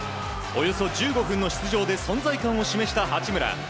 およそ１５分の出場で存在感を示した八村。